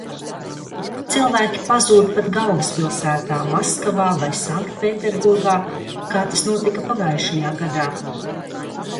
Cilvēki pazūd pat galvaspilsētā Maskavā vai Sanktpēterburgā, kā tas notika pagājušajā gadā.